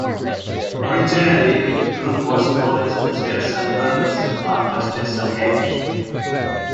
Originally, the group was known as The Stetson Brothers, after Stetson hats.